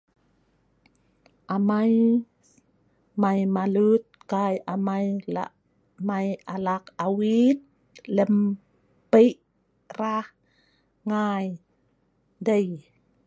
amai mei malut kai amai lak mei alak awit lem pei rah ngai dei